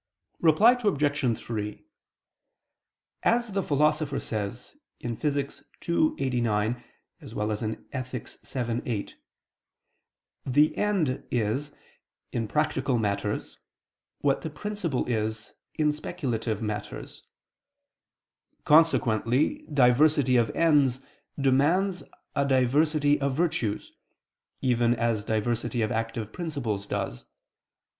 Reply Obj. 3: As the Philosopher says (Phys. ii, text. 89; Ethic. vii, 8), the end is, in practical matters, what the principle is in speculative matters. Consequently diversity of ends demands a diversity of virtues, even as diversity of active principles does.